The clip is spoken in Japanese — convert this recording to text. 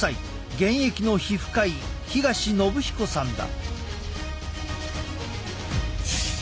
現役の皮膚科医東禹彦さんだ。